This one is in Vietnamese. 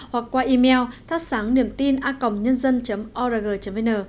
hoặc qua email thapsangniemtina org vn